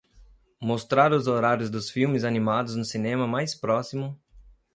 Mostrar os horários dos filmes animados no cinema mais próximo